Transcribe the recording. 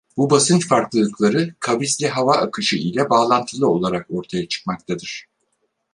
Bu basınç farklılıkları, kavisli hava akışı ile bağlantılı olarak ortaya çıkmaktadır.